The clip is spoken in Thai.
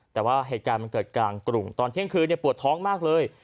แต่ว่าเหตุการณ์มันเกิดกลางกรุงตอนเที่ยงคืนปวดท้องมากเลย